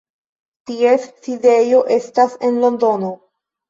Ties sidejo estas en Londono.